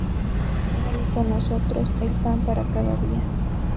Dale con nosotros el pan para cada día.